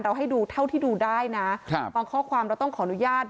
ให้ดูเท่าที่ดูได้นะครับบางข้อความเราต้องขออนุญาต